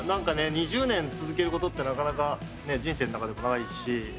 ２０年続けることってなかなか人生の中でもないし。